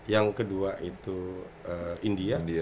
yang kedua itu india